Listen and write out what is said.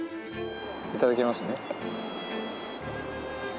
いただきますね。